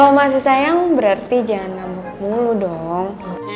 kalo masih sayang berarti jangan nabok mulu dong